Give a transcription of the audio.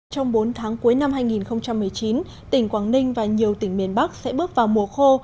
trong bốn tháng cuối năm hai nghìn một mươi chín tỉnh quảng ninh và nhiều tỉnh miền bắc sẽ bước vào mùa khô